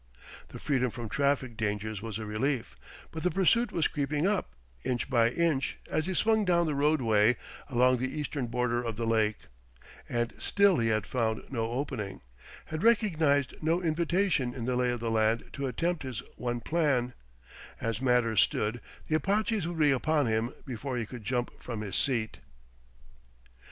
The freedom from traffic dangers was a relief: but the pursuit was creeping up, inch by inch, as he swung down the road way along the eastern border of the lake; and still he had found no opening, had recognized no invitation in the lay of the land to attempt his one plan; as matters stood, the Apaches would be upon him before he could jump from his seat.